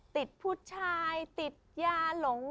ติดผู้ชายติดยาหลง